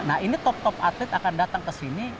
nah ini top top atlet akan datang ke sini